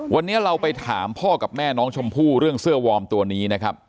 วันนี้เราไปถามพ่อกับแม่น้องชมพู่เรื่องเสื้อวอร์มตัวนี้นะครับ